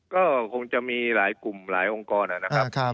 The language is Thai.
ก็คงจะมีหลายกลุ่มหลายองค์กรนะครับ